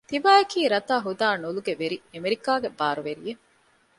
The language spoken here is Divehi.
ތިބާއަކީ ރަތާއި ހުދާއި ނުލުގެވެރި އެމެރިކާގެ ބާރުވެރިއެއް